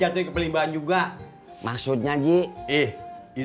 emang gak malu amat anak kecil